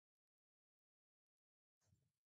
•公園のベンチで本を読むのが、私のお気に入りの時間です。